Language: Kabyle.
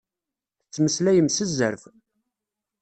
Tettmeslayem s zzerb.